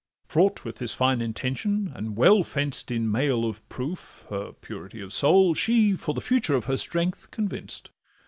Fraught with this fine intention, and well fenced In mail of proof—her purity of soul— She, for the future of her strength convinced.